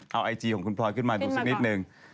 เอาไอจีของคุณพลอยขึ้นมาดูสักนิดนึง